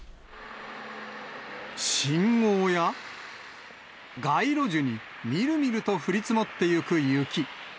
信号や街路樹にみるみると降り積もってゆく雪。